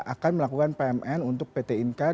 akan melakukan pmn untuk pt inka